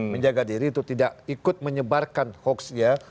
menjaga diri itu tidak ikut menyebarkan hoaxnya